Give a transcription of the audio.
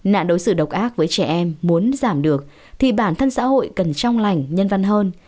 nạn đối xử độc ác với trẻ em muốn giảm được thì bản thân xã hội cần trong lành nhân văn hơn